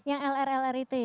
yang lrr itu ya